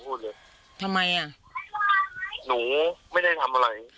พูดเลยทำไมอ่ะหนูไม่ได้ทำอะไร